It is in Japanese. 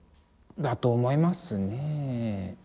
だと思いますね。